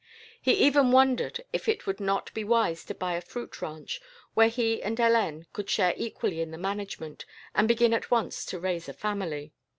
He even wondered if it would not be wise to buy a fruit ranch, where he and Hélène could share equally in the management, and begin at once to raise a family.